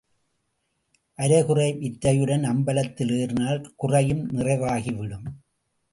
அரை குறை வித்தையுடன் அம்பலத்தில் ஏறினால் குறையும் நிறைவாகிவிடும்.